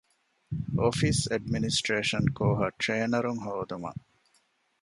އޮފީސް އެޑްމިނިސްޓްރޭޝަން ކޯހަށް ޓްރޭނަރުން ހޯދުމަށް